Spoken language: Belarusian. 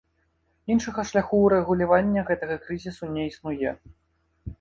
Іншага шляху ўрэгулявання гэтага крызісу не існуе.